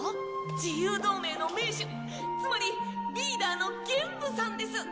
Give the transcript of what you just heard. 自由同盟の盟主つまりリーダーのゲンブさんです！